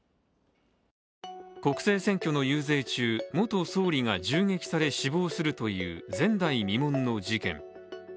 国政選挙の遊説中、元総理が銃撃されて死亡するという前代未聞の事件。